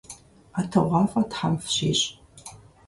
ӀэтыгъуафӀэ тхьэм фщищӀ.